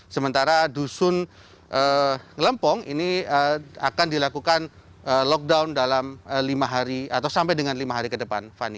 sementara dusun ngelempong ini akan dilakukan lockdown dalam lima hari atau sampai dengan lima hari ke depan fani